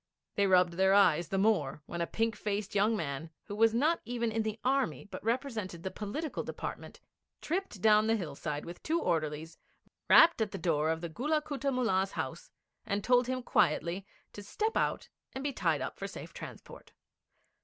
They rubbed their eyes the more when a pink faced young man, who was not even in the Army, but represented the Political Department, tripped down the hillside with two orderlies, rapped at the door of the Gulla Kutta Mullah's house, and told him quietly to step out and be tied up for safe transport.